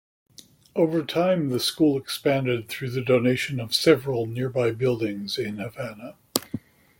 Over time, the school expanded through the donation of several nearby buildings in Havana.